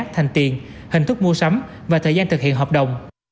thành tiền hình thức mua sắm và thời gian thực hiện hợp đồng